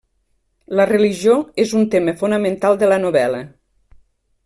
La religió és un tema fonamental de la novel·la.